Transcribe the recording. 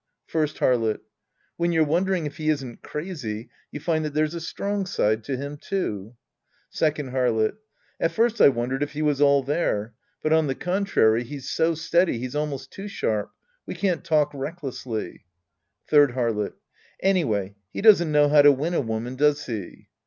First Harlot. When you're wondering if he isn't crazy, you find that there's a strong side to Iiim, too. Second Harlot. At first I wondered if he was all there. But, on the contrary, he's so steady he's almost too sharp. We can't talk recklessly. Third Harlot. Anyway he doesn't know how to win a woman, does he